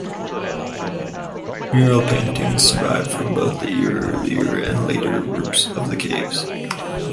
Mural paintings survive from both the earlier and later groups of the caves.